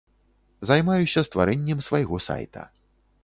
Займаюся стварэннем свайго сайта.